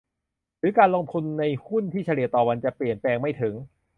หรือการลงทุนในหุ้นที่เฉลี่ยต่อวันจะเปลี่ยนแปลงไม่ถึง